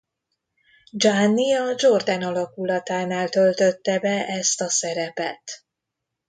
Gianni a Jordan alakulatánál töltötte be ezt a szerepet.